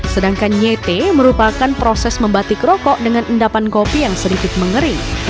sedangkan nyete merupakan proses membatik rokok dengan endapan kopi yang sedikit mengering